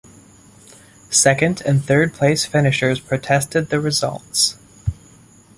Second and third-place finishers protested the results.